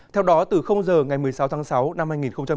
theo đó từ giờ ngày một mươi sáu tháng sáu năm hai nghìn hai mươi